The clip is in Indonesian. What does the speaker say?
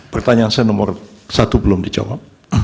pertanyaan saya nomor satu belum dijawab